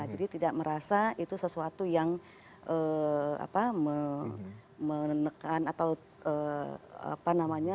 jadi tidak merasa itu sesuatu yang menekan atau apa namanya